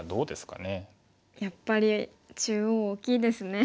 やっぱり中央大きいですね。